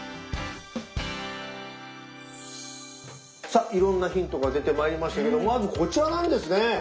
さっいろんなヒントが出てまいりましたけどまずこちらなんですね。